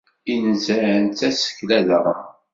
Inzan d tasekla daɣen.